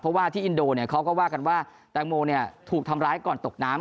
เพราะว่าที่อินโดเนี่ยเขาก็ว่ากันว่าแตงโมถูกทำร้ายก่อนตกน้ำ